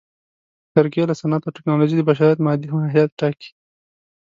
کرکېله، صنعت او ټکنالوژي د بشریت مادي ماهیت ټاکي.